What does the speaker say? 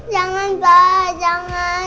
jangan pak jangan